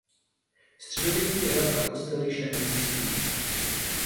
Středověký hrad a kostel již neexistují.